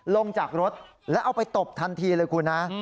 ลงจากรถแล้วเอาไปตบทันทีเลยคุณฮะ